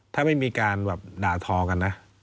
ถ้าไม่มีการแบบด่าทอกันนะ